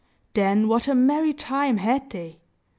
Then what a merry time had they!